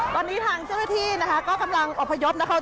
ตอนนี้ทางเจ้าหน้าที่นะคะก็กำลังอบพยพนะคะ